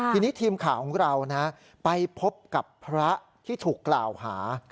ทีนี้ทีมข่าวของเราไปพบกับพระที่ถูกกล่าวหา